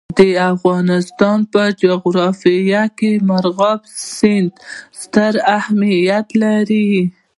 د افغانستان په جغرافیه کې مورغاب سیند ستر اهمیت لري.